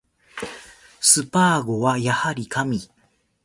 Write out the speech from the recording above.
スパーゴはやはり神